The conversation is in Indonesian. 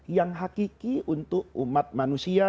yang hakiki untuk umat manusia